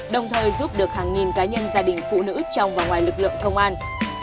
đồng thời giúp được hàng nghìn cá nhân gia đình phụ nữ trong và ngoài lực lượng công an